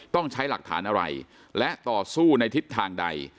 ต้องใช้หลักฐานอะไรและต่อสู้ในทิศทางใด